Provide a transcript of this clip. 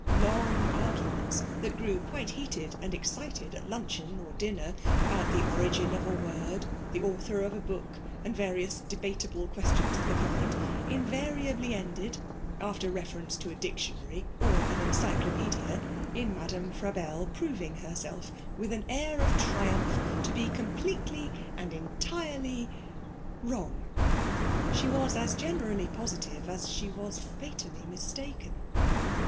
Long arguments, that grew quite heated and excited at luncheon or dinner, about the origin of a word, the author of a book, and various debatable questions of the kind, invariably ended, after reference to a dictionary or an encyclopaedia, in Madame Frabelle proving herself, with an air of triumph, to be completely and entirely wrong. She was as generally positive as she was fatally mistaken.